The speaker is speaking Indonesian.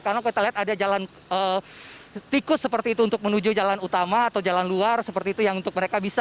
karena kita lihat ada jalan tikus seperti itu untuk menuju jalan utama atau jalan luar seperti itu yang untuk mereka bisa